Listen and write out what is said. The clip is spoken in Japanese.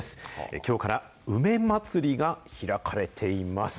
きょうから梅まつりが開かれています。